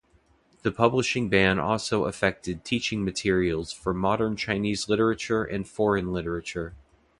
The publishing ban also affected teaching materials for modern Chinese literature and foreign literature.